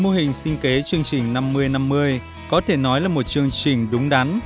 mô hình sinh kế chương trình năm mươi năm mươi có thể nói là một chương trình đúng đắn